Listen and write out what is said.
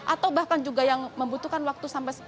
atau bahkan juga yang membutuhkan waktu sampai